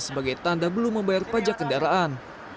sebagai tanda belum membayar pajak kendaraan